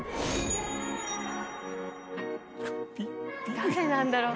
誰なんだろう？